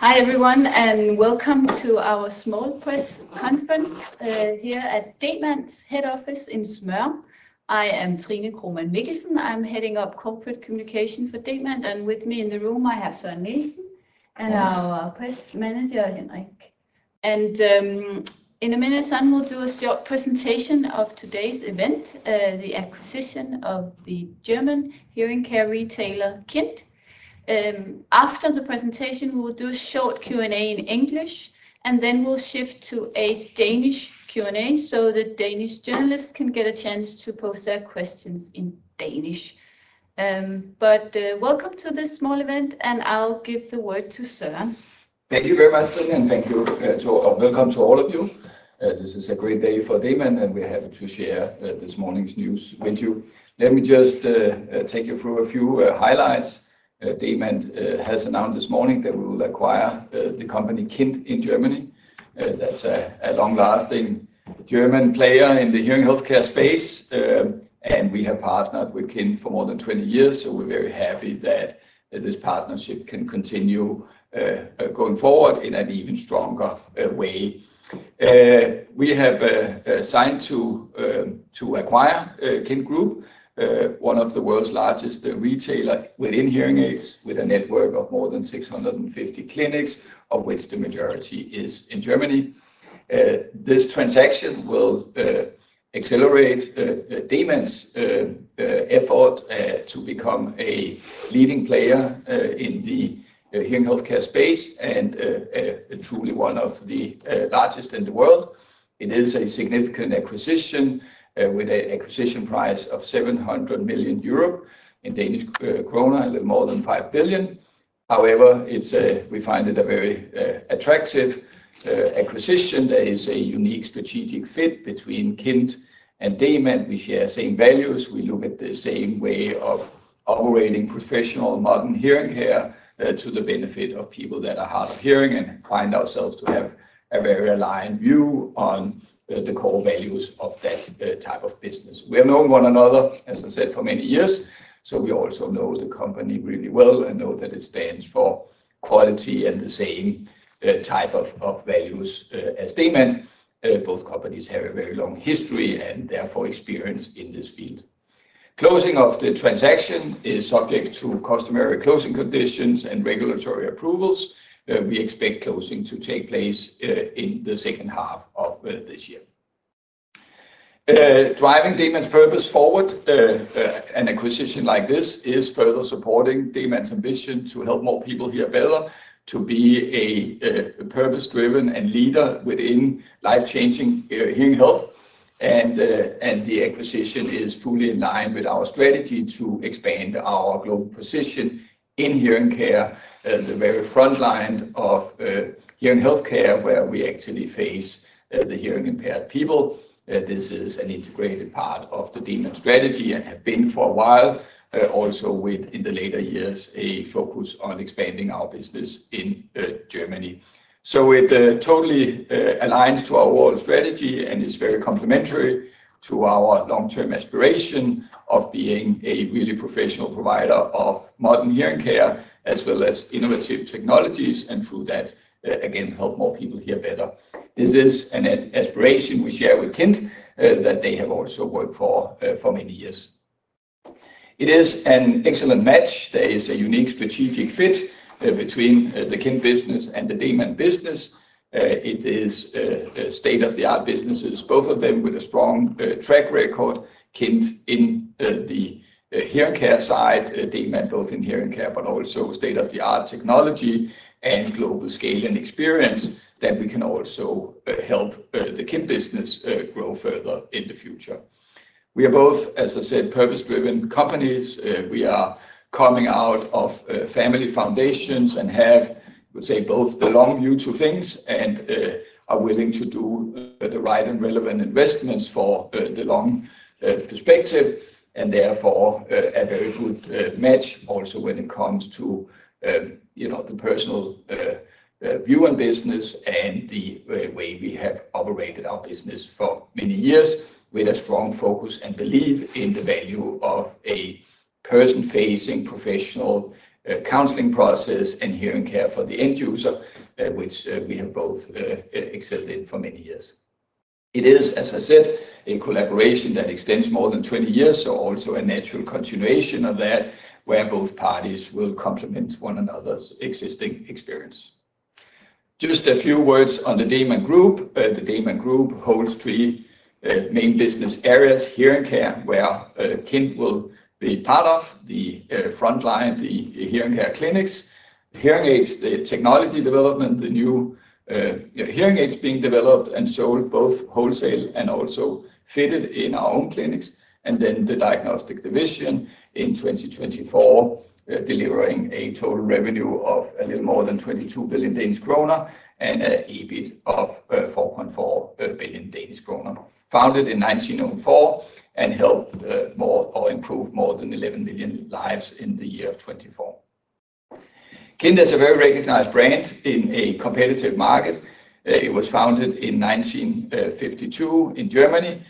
Hi everyone, and welcome to our small press conference here at Demant's head office in Smørum. I am Trine Kromann-Mikkelsen. I'm heading up corporate communication for Demant, and with me in the room, I have Søren Nielsen and our press manager, Henrik. In a minute, Søren will do a short presentation of today's event, the acquisition of the German hearing care retailer KIND. After the presentation, we will do a short Q&A in English, and then we'll shift to a Danish Q&A so the Danish journalists can get a chance to post their questions in Danish. Welcome to this small event, and I'll give the word to Søren. Thank you very much, Trine, and thank you to—welcome to all of you. This is a great day for Demant, and we're happy to share this morning's news with you. Let me just take you through a few highlights. Demant has announced this morning that we will acquire the company KIND in Germany. That's a long-lasting German player in the hearing healthcare space, and we have partnered with KIND for more than 20 years, so we're very happy that this partnership can continue going forward in an even stronger way. We have signed to acquire KIND Group, one of the world's largest retailers within hearing aids, with a network of more than 650 clinics, of which the majority is in Germany. This transaction will accelerate Demant's effort to become a leading player in the hearing healthcare space and truly one of the largest in the world. It is a significant acquisition with an acquisition price of €700 million in Danish kroner, a little more than 5 billion. However, we find it a very attractive acquisition. There is a unique strategic fit between KIND and Demant. We share the same values. We look at the same way of operating professional modern hearing care to the benefit of people that are hard of hearing and find ourselves to have a very aligned view on the core values of that type of business. We have known one another, as I said, for many years, so we also know the company really well and know that it stands for quality and the same type of values as Demant. Both companies have a very long history and therefore experience in this field. Closing of the transaction is subject to customary closing conditions and regulatory approvals. We expect closing to take place in the second half of this year. Driving Demant's purpose forward, an acquisition like this is further supporting Demant's ambition to help more people hear better, to be a purpose-driven leader within life-changing hearing health. The acquisition is fully in line with our strategy to expand our global position in hearing care, the very front line of hearing healthcare, where we actually face the hearing-impaired people. This is an integrated part of the Demant strategy and has been for a while, also with, in the later years, a focus on expanding our business in Germany. So it totally aligns to our overall strategy and is very complementary to our long-term aspiration of being a really professional provider of modern hearing care as well as innovative technologies and through that, again, help more people hear better. This is an aspiration we share with KIND that they have also worked for for many years. It is an excellent match. There is a unique strategic fit between the KIND business and the Demant business. It is state-of-the-art businesses, both of them with a strong track record. KIND in the hearing care side, Demant both in hearing care, but also state-of-the-art technology and global scale and experience that we can also help the KIND business grow further in the future. We are both, as I said, purpose-driven companies. We are coming out of family foundations and have, I would say, both the long view to things and are willing to do the right and relevant investments for the long perspective and therefore a very good match also when it comes to the personal view on business and the way we have operated our business for many years with a strong focus and belief in the value of a person-facing professional counseling process and hearing care for the end user, which we have both excelled in for many years. It is, as I said, a collaboration that extends more than 20 years, so also a natural continuation of that where both parties will complement one another's existing experience. Just a few words on the Demant Group. The Demant Group holds three main business areas: hearing care, where KIND will be part of the front line, the hearing care clinics, hearing aids, the technology development, the new hearing aids being developed and sold both wholesale and also fitted in our own clinics, and then the diagnostic division. In 2024, delivering a total revenue of a little more than 22 billion Danish kroner and an EBIT of 4.4 billion Danish kroner. Founded in 1904 and helped or improved more than 11 million lives in the year of 24. KIND is a very recognized brand in a competitive market. It was founded in 1952 in Germany.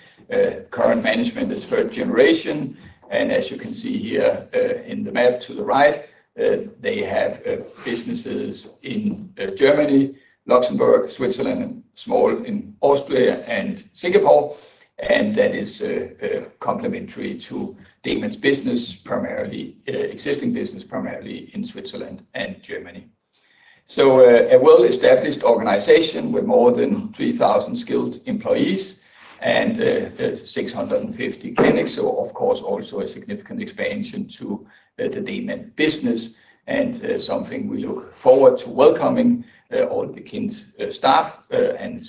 Current management is third generation. As you can see here in the map to the right, they have businesses in Germany, Luxembourg, Switzerland, and small operations in Austria and Singapore. That is complementary to Demant's business, primarily existing business, primarily in Switzerland and Germany. A well-established organization with more than 3,000 skilled employees and 650 clinics. Of course, also a significant expansion to the Demant business and something we look forward to welcoming all the KIND staff and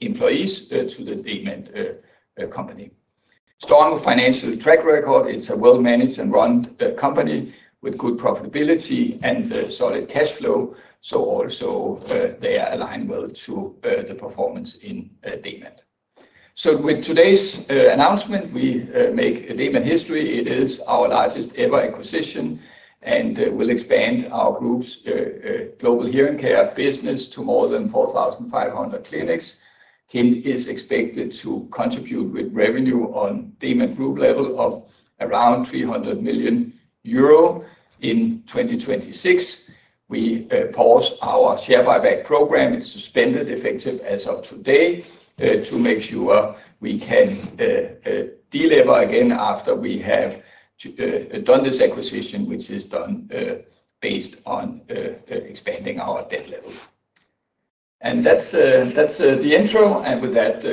employees to the Demant company. Strong financial track record. It's a well-managed and run company with good profitability and solid cash flow. Also they align well to the performance in Demant. With today's announcement, we make Demant history. It is our largest ever acquisition and will expand our group's global hearing care business to more than 4,500 clinics. KIND is expected to contribute with revenue on Demant Group level of around €300 million in 2026. We paused our share buyback program. It's suspended effective as of today to make sure we can deliver again after we have done this acquisition, which is done based on expanding our debt level. And that's the intro. With that,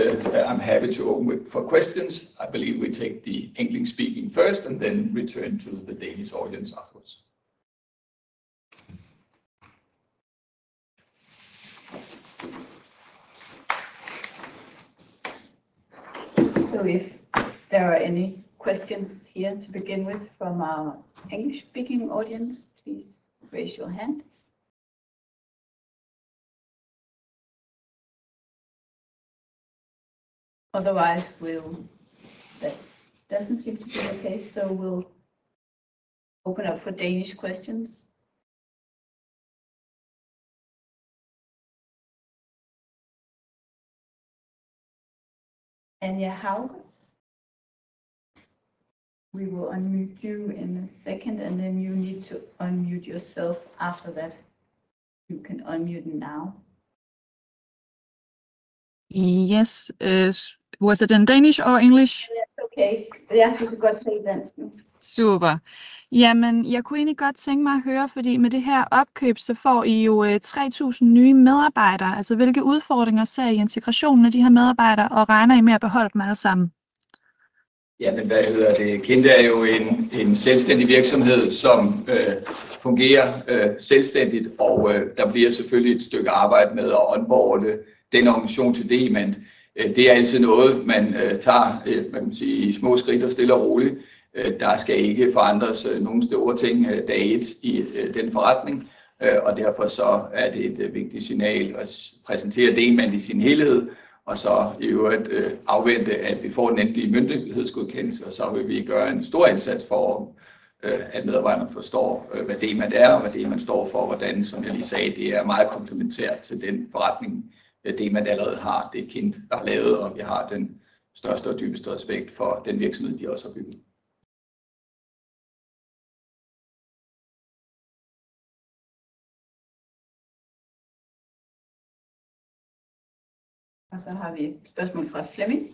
I'm happy to open up for questions. I believe we take the English speaking first and then return to the Danish audience afterwards. If there are any questions here to begin with from our English-speaking audience, please raise your hand. Otherwise, that doesn't seem to be the case. We'll open up for Danish questions. Anja Hall, we will unmute you in a second, and then you need to unmute yourself after that. You can unmute now. Yes. Was it in Danish or English? That's okay. Yeah, you can say Danish now. Super. Jamen, jeg kunne egentlig godt tænke mig at høre, fordi med det her opkøb, så får I jo 3.000 nye medarbejdere. Altså, hvilke udfordringer ser I i integrationen af de her medarbejdere, og regner I med at beholde dem alle sammen? Jamen, hvad hedder det? KIND er jo en selvstændig virksomhed, som fungerer selvstændigt, og der bliver selvfølgelig et stykke arbejde med at onboarde den organisation til Demant. Det er altid noget, man tager i små skridt og stille og roligt. Der skal ikke forandres nogen store ting dag ét i den forretning, og derfor er det et vigtigt signal at præsentere Demant i sin helhed, og så i øvrigt afvente, at vi får den endelige myndighedsgodkendelse, og så vil vi gøre en stor indsats for, at medarbejderne forstår, hvad Demant er og hvad Demant står for, og hvordan, som jeg lige sagde, det er meget komplementært til den forretning, Demant allerede har. Det er KIND, der har lavet, og vi har den største og dybeste respekt for den virksomhed, de også har bygget. Og så har vi et spørgsmål fra Flemming.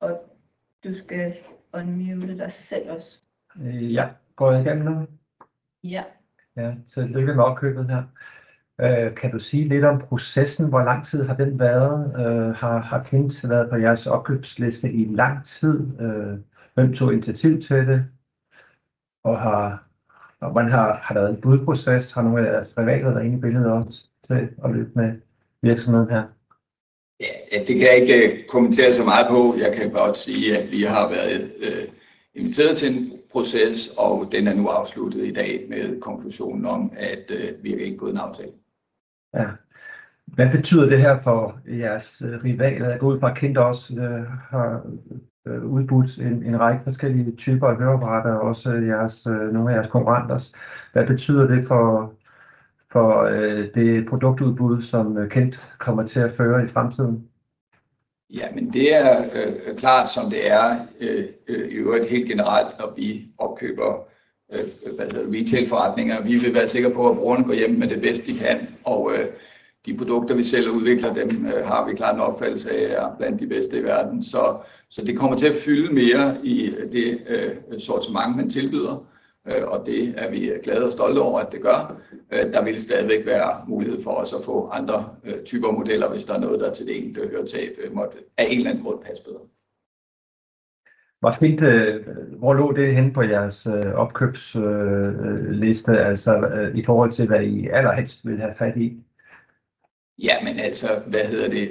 Og du skal unmute dig selv også. Ja, går jeg i gang nu? Ja. Ja, tillykke med opkøbet her. Kan du sige lidt om processen? Hvor lang tid har den været? Har KIND været på jeres opkøbsliste i lang tid? Hvem tog initiativ til det? Og har man været i en budproces? Har nogen af jeres private været inde i billedet også til at løbe med virksomheden her? Ja, det kan jeg ikke kommentere så meget på. Jeg kan godt sige, at vi har været inviteret til en proces, og den er nu afsluttet i dag med konklusionen om, at vi har indgået en aftale. Ja. Hvad betyder det her for jeres rivaler? Jeg går ud fra, at KIND også har udbudt en række forskellige typer af høreapparater, også nogle af jeres konkurrenters. Hvad betyder det for det produktudbud, som KIND kommer til at føre i fremtiden? Jamen, det er klart, som det i øvrigt helt generelt, når vi opkøber retail-forretninger. Vi vil være sikre på, at brugerne går hjem med det bedste, de kan. Og de produkter, vi selv udvikler, dem har vi klart en opfattelse af som blandt de bedste i verden. Så det kommer til at fylde mere i det sortiment, man tilbyder, og det er vi glade og stolte over, at det gør. Der vil stadigvæk være mulighed for også at få andre typer modeller, hvis der er noget, der til det enkelte høretab måtte af en eller anden grund passe bedre. Hvor fint. Hvor lå det henne på jeres opkøbsliste, altså i forhold til, hvad I allerhelst vil have fat i? Jamen, altså, hvad hedder det?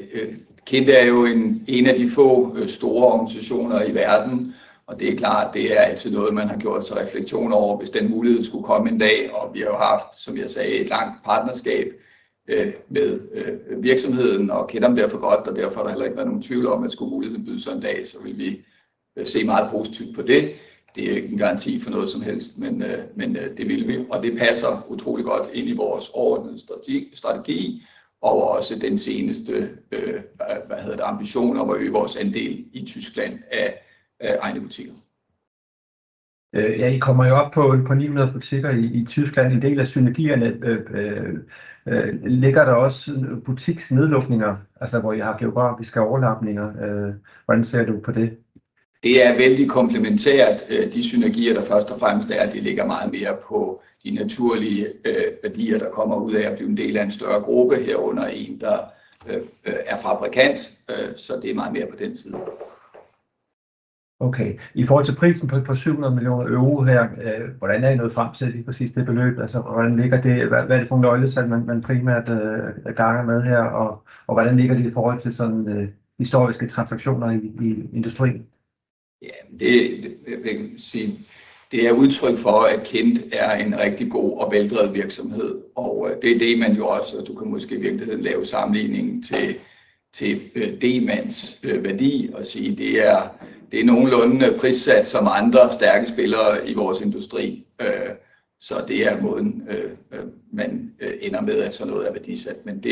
KIND jo en af de få store organisationer i verden, og det klart, det altid noget, man har gjort sig refleksion over, hvis den mulighed skulle komme en dag. Og vi har jo haft, som jeg sagde, et langt partnerskab med virksomheden, og kender dem derfor godt, og derfor har der heller ikke været nogen tvivl om, at skulle muligheden byde sig en dag, så ville vi se meget positivt på det. Det jo ikke en garanti for noget som helst, men det ville vi, og det passer utrolig godt ind i vores overordnede strategi og også den seneste ambition om at øge vores andel i Tyskland af egne butikker. Ja, I kommer jo op på 900 butikker i Tyskland. En del af synergierne ligger der også butiksnedlukninger, altså hvor I har geografiske overlapninger. Hvordan ser du på det? Det er meget komplementært. De synergier, der først og fremmest at de ligger meget mere på de naturlige værdier, der kommer ud af at blive en del af en større gruppe, herunder en, der er fabrikant, så det ligger meget mere på den side. Okay. I forhold til prisen på 700 millioner euro her, hvordan I nået frem til lige præcis det beløb? Altså, hvordan ligger det? Hvad det for nogle nøgletal, man primært ganger med her? Og hvordan ligger det i forhold til sådan historiske transaktioner i industrien? Jamen, det vil jeg sige, det er udtryk for, at KIND er en rigtig god og veldrevet virksomhed, og det er det, man jo også, og du kan måske i virkeligheden lave sammenligningen til Demants værdi og sige, det er nogenlunde prissat som andre stærke spillere i vores industri. Så det er måden, man ender med at sådan noget værdisat. Men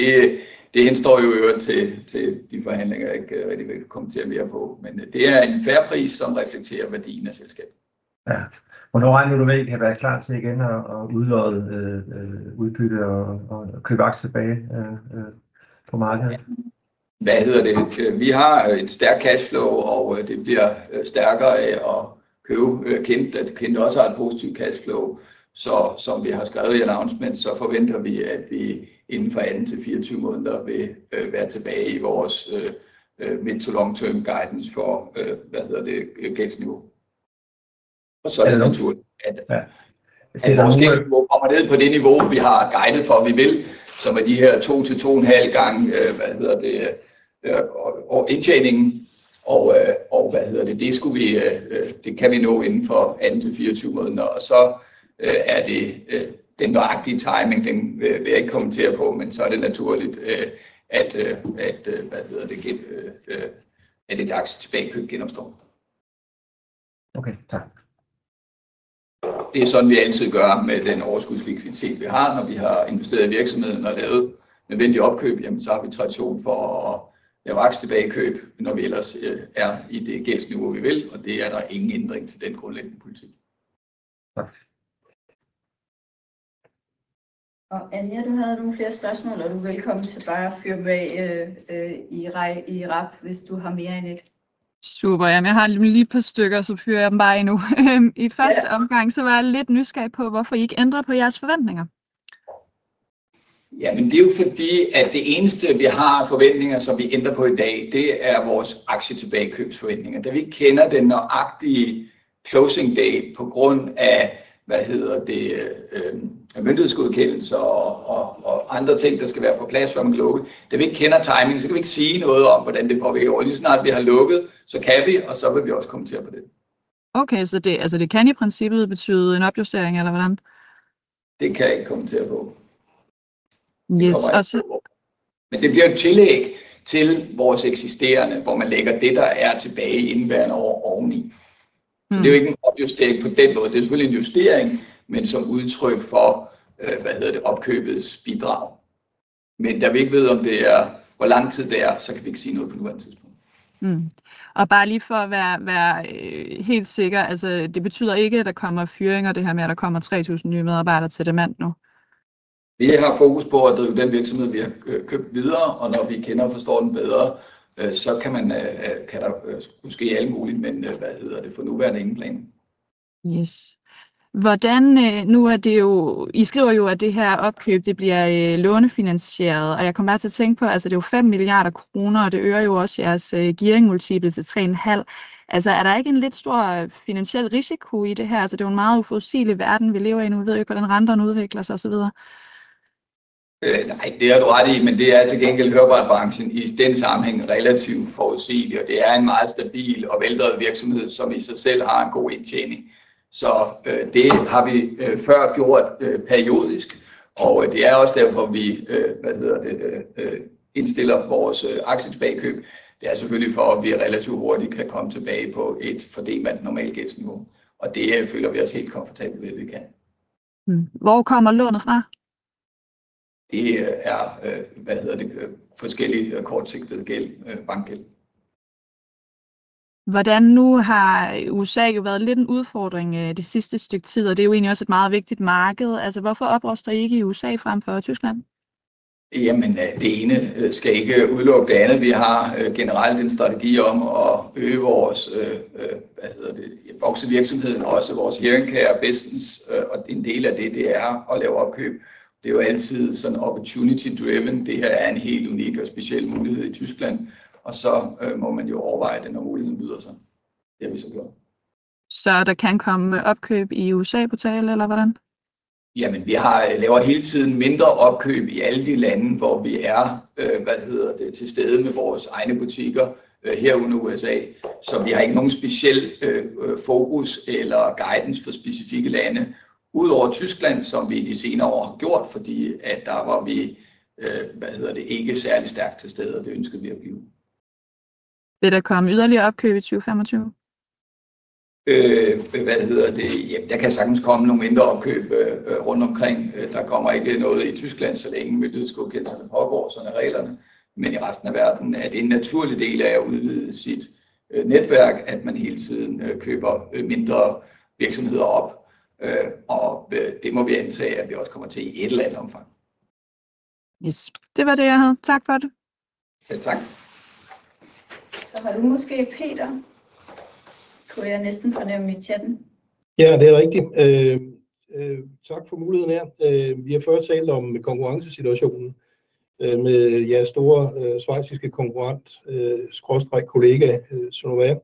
det henstår jo i øvrigt til de forhandlinger, jeg ikke rigtig vil kommentere mere på. Men det er en fair pris, som reflekterer værdien af selskabet. Ja. Hvornår regner du med, at I kan være klar til igen at udlodde udbytte og købe aktier tilbage på markedet? Hvad hedder det? Vi har et stærkt cash flow, og det bliver stærkere af at købe KIND, da Kind også har et positivt cash flow. Som vi har skrevet i announcement, forventer vi, at vi inden for 18 til 24 måneder vil være tilbage i vores mid-to-long-term guidance for gældsniveau. Det er naturligt, at det kommer ned på det niveau, vi har guidet for, at vi vil, som de her 2 til 2,5 gange indtjeningen. Det skulle vi, det kan vi nå inden for 18 til 24 måneder. Den nøjagtige timing vil jeg ikke kommentere på, men det er naturligt, at et aktietilbagekøb genopstår. Okay, tak. Det er sådan, vi altid gør med den overskudslikviditet, vi har, når vi har investeret i virksomheden og lavet nødvendige opkøb. Jamen, så har vi tradition for at lave aktietilbagekøb, når vi er på det gældsniveau, vi vil, og der er ingen ændring til den grundlæggende politik. Tak. Og Anya, du havde nogle flere spørgsmål, og du er velkommen til bare at fyre dem af i rap, hvis du har mere end et. Super. Jamen, jeg har lige et par stykker, så fyrer jeg dem bare af nu. I første omgang, så var jeg lidt nysgerrig på, hvorfor I ikke ændrer på jeres forventninger. Jamen, det er jo fordi, at det eneste, vi har af forventninger, som vi ændrer på i dag, det er vores aktietilbagekøbsforventninger. Da vi ikke kender den nøjagtige closing date på grund af myndighedsgodkendelser og andre ting, der skal være på plads for at lukke, da vi ikke kender timingen, så kan vi ikke sige noget om, hvordan det påvirker. Lige så snart vi har lukket, så kan vi, og så vil vi også kommentere på det. Okay, så det kan i princippet betyde en opjustering, eller hvordan? Det kan jeg ikke kommentere på. Yes. Men det bliver et tillæg til vores eksisterende, hvor man lægger det, der tilbage i indeværende år oveni. Så det jo ikke en opjustering på den måde. Det selvfølgelig en justering, men som udtryk for, hvad hedder det, opkøbets bidrag. Men da vi ikke ved, om det hvor lang tid det så kan vi ikke sige noget på nuværende tidspunkt. Og bare lige for at være helt sikker, altså det betyder ikke, at der kommer fyringer, det her med, at der kommer 3.000 nye medarbejdere til Demant nu? Vi har fokus på at drive den virksomhed, vi har købt videre, og når vi kender og forstår den bedre, så kan der ske alt muligt, men for nuværende ingen planer. Ja. Hvordan, nu det jo, I skriver jo, at det her opkøb, det bliver lånefinansieret, og jeg kommer til at tænke på, altså det jo 5 milliarder kroner, og det øger jo også jeres gearingmultipel til 3,5. Altså er der ikke en lidt stor finansiel risiko i det her? Altså det jo en meget uforudsigelig verden, vi lever i nu. Vi ved jo ikke, hvordan renterne udvikler sig osv. Nej, det har du ret i, men det til gengæld hørebranchen i den sammenhæng relativt forudsigelig, og det en meget stabil og veldrevet virksomhed, som i sig selv har en god indtjening. Så det har vi før gjort periodisk, og det også derfor, vi indstiller vores aktietilbagekøb. Det selvfølgelig for, at vi relativt hurtigt kan komme tilbage på et fordelt med et normalt gældsniveau. Og det føler vi os helt komfortable ved, at vi kan. Hvor kommer lånet fra? Det, hvad hedder det, forskellige kortsigtede bankgæld. Hvordan nu har USA jo været lidt en udfordring det sidste stykke tid, og det jo egentlig også et meget vigtigt marked. Altså hvorfor opruster I ikke i USA frem for Tyskland? Jamen, det ene skal ikke udelukke det andet. Vi har generelt en strategi om at øge vores, hvad hedder det, vokse virksomheden, også vores hearing care business, og en del af det, det at lave opkøb. Det er jo altid sådan opportunity-driven. Det her er en helt unik og speciel mulighed i Tyskland, og så må man jo overveje det, når muligheden byder sig. Det har vi så gjort. Så der kan komme opkøb i USA på tale, eller hvordan? Jamen, vi laver hele tiden mindre opkøb i alle de lande, hvor vi er til stede med vores egne butikker herude i USA. Så vi har ikke nogen speciel fokus eller guidance for specifikke lande, udover Tyskland, som vi i de senere år har gjort, fordi der var vi ikke særlig stærkt til stede, og det ønskede vi at blive. Vil der komme yderligere opkøb i 2025? Hvad hedder det, jamen, der kan sagtens komme nogle mindre opkøb rundt omkring. Der kommer ikke noget i Tyskland, så længe myndighedsgodkendelserne pågår, sådan reglerne. Men i resten af verden er det en naturlig del af at udvide sit netværk, at man hele tiden køber mindre virksomheder op, og det må vi antage, at vi også kommer til i et eller andet omfang. Yes. Det var det, jeg havde. Tak for det. Selv tak. Så har du måske Peter? Kunne jeg næsten fornemme i chatten. Ja, det er rigtigt. Tak for muligheden her. Vi har før talt om konkurrencesituationen med jeres store schweiziske konkurrent/kollega Sonova.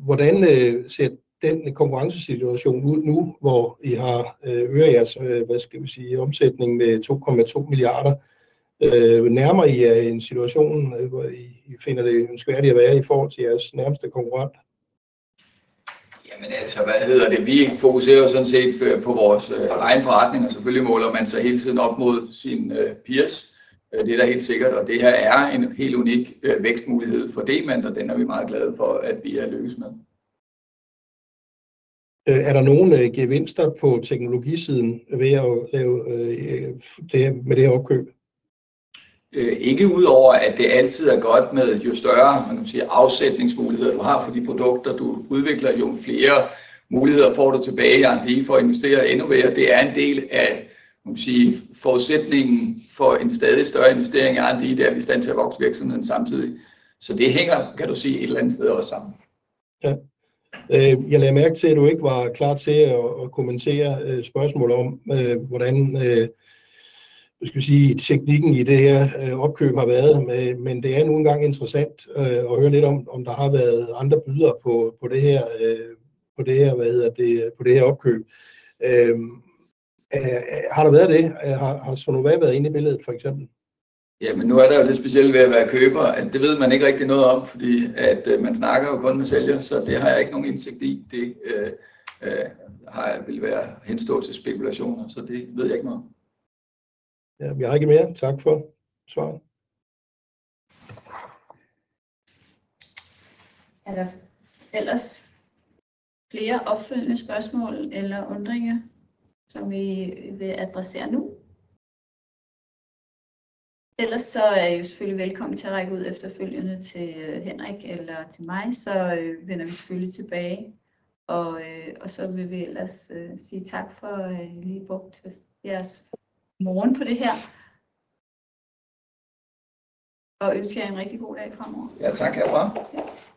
Hvordan ser den konkurrencesituation ud nu, hvor I har øget jeres, hvad skal vi sige, omsætning med 2,2 milliarder? Nærmer I jer en situation, hvor I finder det ønskværdigt at være i forhold til jeres nærmeste konkurrent? Jamen, altså, hvad hedder det, vi fokuserer jo sådan set på vores egen forretning, og selvfølgelig måler man sig hele tiden op mod sine peers. Det er da helt sikkert, og det her er en helt unik vækstmulighed for Demant, og den er vi meget glade for, at vi lykkes med. Er der nogen gevinster på teknologisiden ved at lave det her med det her opkøb? Ikke udover, at det altid godt med jo større afsætningsmuligheder, du har for de produkter, du udvikler. Jo flere muligheder får du tilbage i R&D for at investere endnu mere. Det en del af, kan man sige, forudsætningen for en stadig større investering i R&D, der vi i stand til at vokse virksomheden samtidig. Så det hænger, kan du sige, et eller andet sted også sammen. Ja. Jeg lagde mærke til, at du ikke var klar til at kommentere spørgsmålet om, hvordan, hvad skal vi sige, teknikken i det her opkøb har været. Men det er nu engang interessant at høre lidt om, om der har været andre bydere på det her, på det her, hvad hedder det, på det her opkøb. Har der været det? Har Sonova været inde i billedet for eksempel? Jamen, nu er der jo lidt specielt ved at være køber, at det ved man ikke rigtig noget om, fordi man snakker jo kun med sælgere, så det har jeg ikke nogen indsigt i. Det vil være hensat til spekulationer, så det ved jeg ikke noget om. Ja, vi har ikke mere. Tak for svaret. Der ellers flere opfølgende spørgsmål eller undringer, som I vil adressere nu? Ellers så er I jo selvfølgelig velkommen til at række ud efterfølgende til Henrik eller til mig, så vender vi selvfølgelig tilbage. Og så vil vi ellers sige tak for, at I lige brugte jeres morgen på det her og ønsker jer en rigtig god dag fremover. Ja, tak, jeg vil meget gerne.